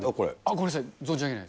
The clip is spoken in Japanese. ごめんなさい、存じ上げない。